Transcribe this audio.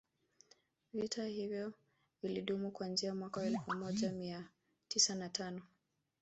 Vita hivyo vilidumu kuanzia mwaka wa elfu moja mia tisa na tano